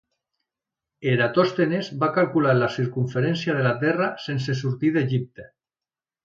Eratòstenes va calcular la circumferència de la Terra sense sortir d'Egipte.